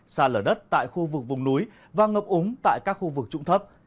xa lở đất tại khu vực vùng núi và ngập úng tại các khu vực trụng thấp